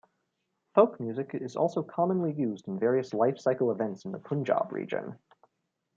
Folk music is also commonly used in various life-cycle events in the Punjab region.